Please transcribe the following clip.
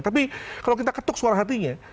tapi kalau kita ketuk suara hatinya